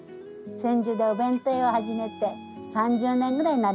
千住でお弁当屋を始めて３０年ぐらいになります。